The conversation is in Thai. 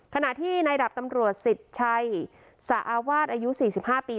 ขณะที่ในดับตำรวจศิษย์ชัยสาวาสอายุสี่สิบห้าปี